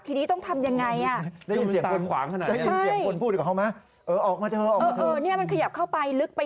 ทีนี้ต้องทำยังไง